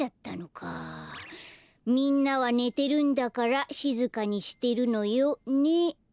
「みんなはねてるんだからしずかにしてるのよ」ね。